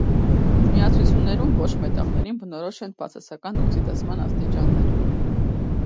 Միացություններում ոչ մետաղներին բնորոշ են բացասական օքսիդացման աստիճանները։